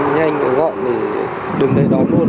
nhanh và rộn để đứng đây đón luôn